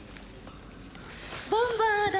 ボンバーダ・